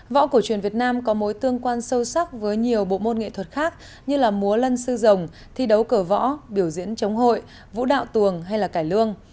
võ cổ truyền việt nam có mối tương quan sâu sắc với nhiều bộ môn nghệ thuật khác như là múa lân sư rồng thi đấu cửa võ biểu diễn chống hội vũ đạo tuồng hay là cải lương